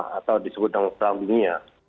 kalau disebut dalam perang dunia